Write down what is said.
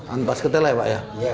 ampas ketela ya pak ya